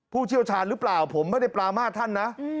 เชี่ยวชาญหรือเปล่าผมไม่ได้ปรามาทท่านนะ